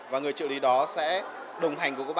và người trợ lý đó sẽ đồng hành